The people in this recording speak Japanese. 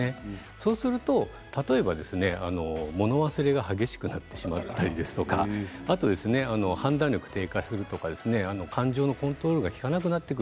そうすると例えば物忘れが激しくなってしまったりあと判断力が低下するとか感情のコントロールが効かなくなってくる。